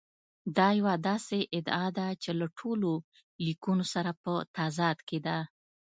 دا یوه داسې ادعا ده چې له ټولو لیکونو سره په تضاد کې ده.